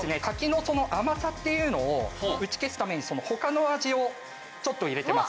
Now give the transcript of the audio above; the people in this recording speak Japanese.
柿のその甘さっていうのを打ち消すために他の味をちょっと入れてます。